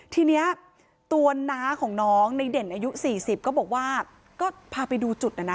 ทีนี้ตัวน้าของน้องในเด่นอายุ๔๐ก็บอกว่าก็พาไปดูจุดนะนะ